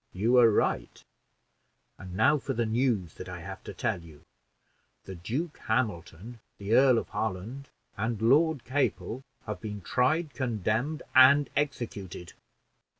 "You are right; and now for the news that I have to tell you. The Duke Hamilton, the Earl of Holland, and Lord Capel have been tried, condemned, and executed."